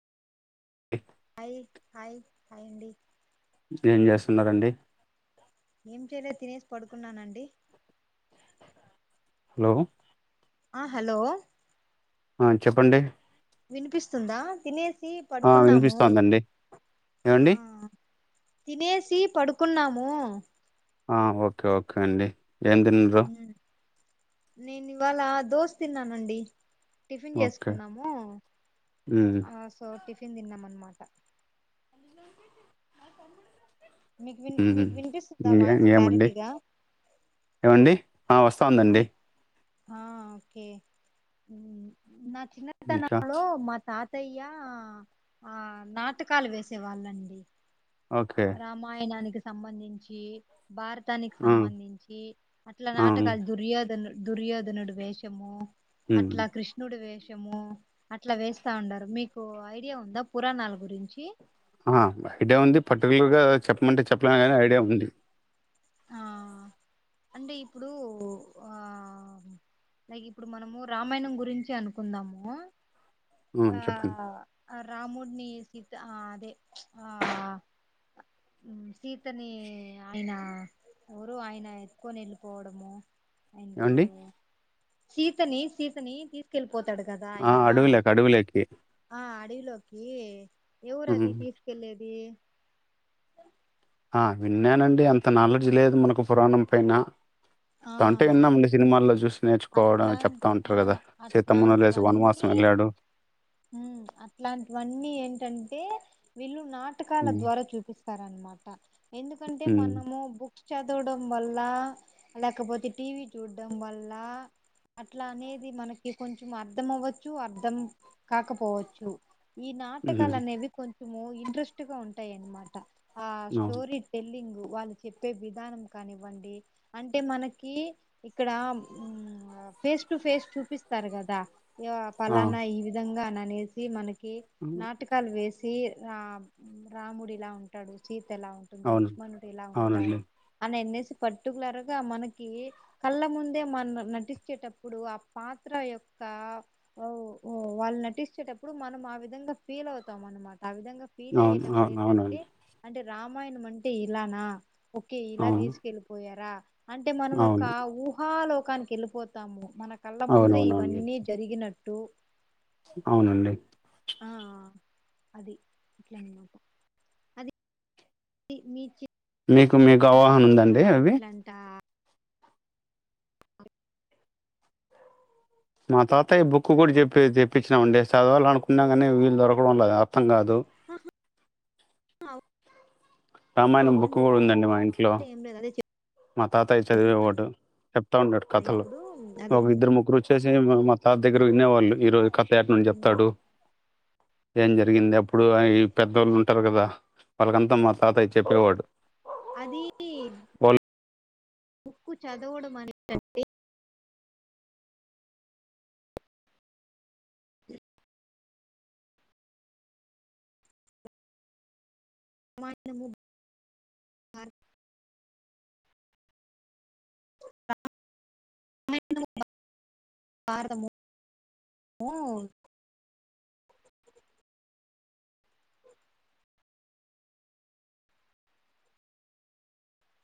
ఉమ్ hi hi hi అండి. ఏం చేస్తున్నరండి. ఏం చేయలేదు తినేసి పడుకున్నానండి. హలో ఆహ్ హలో. ఆహ్ చెప్పండి. వినిపిస్తుందా తినేసి. ఆ పడుకున్నాము వినిపిస్తోందండి ఏమండి ఆహ్ తినేసి పడు. కున్నాము. ఆహ్ ఓకే ఓకే అండి. ఏం తిండ్రు. నేను ఇవాళ దోశ తిన్నానండి. టిఫిన్ ఓకే చేసుకున్నాము ఉమ్, ఆహ్ సో. టిఫిన్ తిన్నామన్నమాట. మీకు విన్ ఉమ్. మీకు వినిపిస్తుందా ఇంకే వాయిస్ ఇంకేమండి క్లారిటీగా. వస్తాందండి. ఆహ్ ఓకే ఉమ్ నాక్. ఇంకా చిన్నతనంలో మా తాత్. అత్తయ్యా ఆ నాటకాలు వేసే వాళ్ళాండి. ఓకే రామాయణానికి. సంబంధించి. భారతానికి ఆ, సంబంధించి అట్లా ఆ, నాటకాలు దుర్యోధనలు దుర్యోధనడు వేషము ఉమ్. అట్లా కృష్ణుడు వేష ము అట్లా వేస్తా ఉండారు మీకు ఐడియా ఉందా పురాణాల గురించి. ఆ ఐడియా ఉంది. పర్టికులర్ గా చెప్పమంటే చెప్పలే కానీ ఐడియా ఉంది. ఆ అంటే ఇప్పుడు ఆ లైక్ మనము రామాయణం గురించి అనుకుందాము. ఉ చెప్పండి ఆ రాముడిని సీత ఆదే చ్ ఆ సీతని ఆయన ఎవరో ఆయన ఎత్తుకొని వెళ్ళిపోవడము. అయిన ఏమండి పేరు సీతని సీతని తీసుకెల్పు ఆ అడువులోకి, అడువులోకి ఆ అడివిలోకి ఎవరు ఉమ్. అది తీసుకెళ్లేది. అ ఆ విన్నానండి అంత నాలెడ్జ్ లేదు. మనకు పురాణం పైన. తంటే ఎన్నాంలే సినిమాల్లో చూసి నేర్చుకోవడం చెప్తా అట్లాంటి ఉంటారు ఆ గదా! సీతమ్మనొలేసి వనవాసం అట్లాంటివన్నీ వెళ్ళాడు. ఊ అట్లాంటివన్నీ ఏంటంటే వే విళ్లు నాటకాల హ్మ్. ద్వారా చూపిస్తార అన్నమాట. క్క ఎందుకంటే హ్మ్. మనము బుక్ చదవడం వల్ల, లేకపోతే టీవీ చూడడం వల్ల అట్లా అనేది మనకి కొంచెం అర్థం అవ్వచ్చు. అర్ధం కాకపోవచ్చు. ఈ నాటకాలు హ్మ్. అనేవి కొం మో ఇంట్రెస్ట్ గా ఉంటాయన్నమాట. ఆ అవును. స్టోరి టెల్లింగు వాళ్ళు చెప్పే విధానం కానివ్వండి అంటే మనకి ఇక్కడ ఆ ఫేస్ టు ఫేస్ చూపిస్తారు కదా. యా ఆ! ఫలానా ఈ విధంగా అన అనేసి మనకి ఇ హ్మ్. నాటకాల వేస్ వీర్ రామ్ రాముడిలా ఉంటాడు చీఫ్ ఎలా ఉంటుంది అవునండి. లక్ష్మణుడు ఇలా అవునండి. ఉంటారు అని ఎన్నేసి పర్టుక్లర్గా మనకి కళ్ళ ముందే మన నటి నచ్చేటప్పుడు ఆ పాత్ర యొక్క వాళ్ళు నటించేటప్పుడు మనం ఆ విధంగా ఫీల్ అవుతాం అన్నమాట ఆ విధంగా ఫీల్ అవును. అయ్యేటప్పుడు అవును. ఏంటంటే అవునండి. అంటే రామయణమంఅంటే ఇలానా ఓకే ఇలా అవును. తీసుకెళ్ళలిపోయారా అంటే మనం ఒక అవును. హుగాలో కల కీ ఎలిప్ దాము మన కళ్ళ ముందరే అవునవునండి. ఇవన్నీ జరిగినట్టు టు అవునండి ఆ అది ఇట్లాకు అది మీకె చ మీకు మీకు అవవాహన ఉందండి అవి ఇట్లాంట మా తాత ఈ బుక్ కూడా చెప్పి తెప్పించినన్ అండి చదవల అనుకున్నా కానీ వీళ్లుు దొరకడం లేదు అర్థం కాదు దో అవ రామాయణం బుక్ కూడా ఉందండి మా ఇంట్లో ఏం లేదు అదే మా తాతయ్య చదివే చెప్తున్నాను ఒకటి చెప్తా ఉంటాడు కదా కథలు ఇప్పుడు అదే ఒక ఇద్దరు ముగ్గురు వచ్చేసి మా త దగ్గర విన్ననేవాళ్ళు ఈరోజు కథ ఏట నుడి చిన్న- చెప్తాడు ఏం జరిగింది అప్పుడు ఈ పెద్దవాళ్ళు ఉంటారు కదా వాళ్ళకంతా మాత్రం తాత అయి చెప్పేవాడు అది వాళ్ళు బోకు చదవడం అనికంటే మనము భారత భారతము